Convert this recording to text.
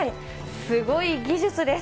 すごい技術です。